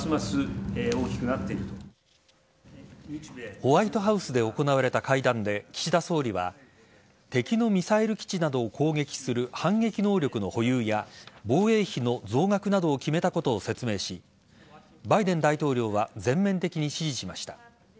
ホワイトハウスで行われた会談で、岸田総理は敵のミサイル基地などを攻撃する反撃能力の保有や防衛費の増額などを決めたことを説明しバイデン大統領は全面的に支持しました。